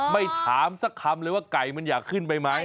ไม่ถามสักคำเลยว่าไก่มันอยากขึ้นไปไหม